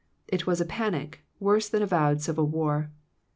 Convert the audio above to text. It was a panic, worse than avowed civil war.